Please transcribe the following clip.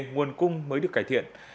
nguồn cung mới được cải thiện